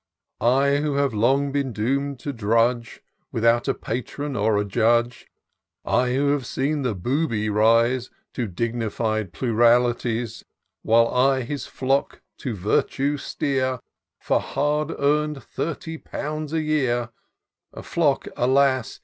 I, who have long been doom'd to drudge. Without a patron or a judge ; I, who have seen the booby rise To dignified pluralities ; While I his flock to virtue steer, For hard eam'd thirty pounds a year ; A flock, alas